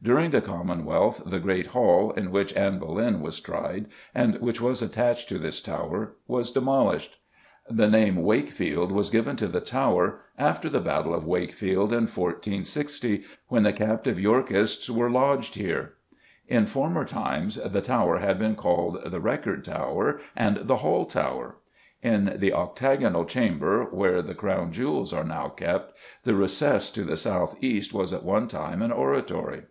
During the Commonwealth the great hall in which Anne Boleyn was tried, and which was attached to this tower, was demolished. The name "Wakefield" was given to the tower after the battle of Wakefield in 1460, when the captive Yorkists were lodged here. In former times the tower had been called the Record Tower and the Hall Tower. In the octagonal chamber where the Crown Jewels are now kept, the recess to the south east was at one time an oratory.